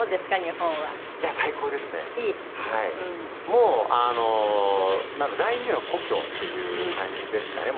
もうあの第二の故郷っていう感じですかね。